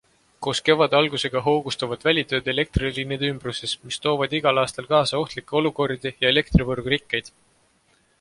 Koos kevade algusega hoogustuvad välitööd elektriliinide ümbruses, mis toovad igal aastal kaasa ohtlikke olukordi ja elektrivõrgu rikkeid.